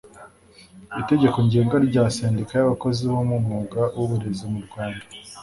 itegeko ngenga rya sendika y’abakozi bo mu mwuga w’uburezi mu rwanda